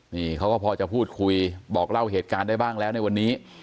นี่เขาก็พอจะพูดคุยบอกเล่าเหตุการณ์ได้บ้างแล้วในวันนี้